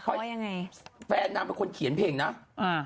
ช่วยยังไงแฟนน้ำมันคนเขียนเพลงนะอ่า